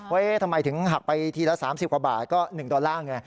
ทำไมถึงหักไปทีละ๓๐กว่าบาทก็๑ดอลลาร์ไง